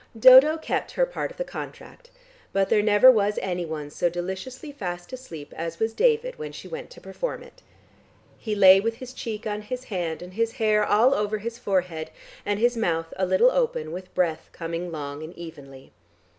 Dodo kept her part of the contract. But there was never anyone so deliciously fast asleep as was David when she went to perform it. He lay with his cheek on his hand, and his hair all over his forehead, and his mouth a little open with breath coming long and evenly.